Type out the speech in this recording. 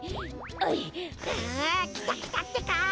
あきたきたってか。